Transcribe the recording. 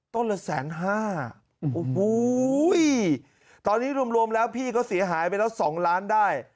ต้นละแสนห้าโอ้โหตอนนี้รวมแล้วพี่ก็เสียหายไปแล้ว๒ล้านได้